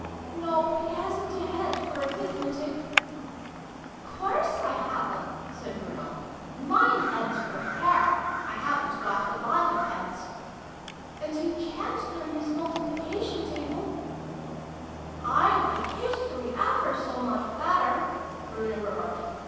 " No, he hasn't a head for Arithmetic "Course I haven't!" said Bruno. "Mine head's for hair. \ haven't got a lot of heads !"" and he ca'n't learn his Multiplication table "" I like History ever so much better," Bruno remarked.